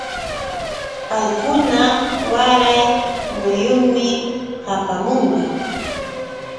Paykuna waray muyunmi hapaamunqa.